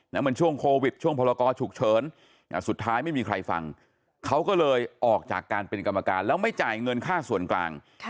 มันช่วงโควิดช่วงพลกรฉุกเฉินสุดท้ายไม่มีใครฟังเขาก็เลยออกจากการเป็นกรรมการแล้วไม่จ่ายเงินค่าส่วนกลาง